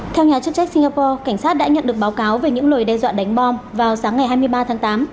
theo nhà chức trách singapore cảnh sát đã nhận được báo cáo về những lời đe dọa đánh bom vào sáng ngày hai mươi ba tháng tám